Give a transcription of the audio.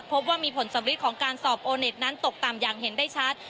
พบว่ามีผลสำริดของการสอบโอเน็ตนั้นตกต่ำอย่างเห็นได้ชัด